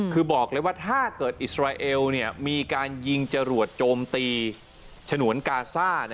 คือบอกเลยว่าถ้าเกิดอิสราเอลมีการยิงจรวดโจมตีฉนวนกาซ่า